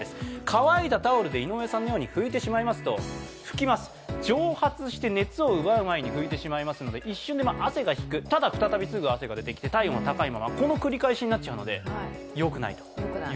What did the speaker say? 乾いたタオルで井上さんのように拭きますと、蒸発して熱を奪う前に拭いてしまいますので一瞬で汗が引く、ただ再びすぐ汗が出てきて体温は高いまま、この繰り返しになってしまうのでよくない。